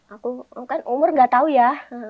aku kan umur gak tau ya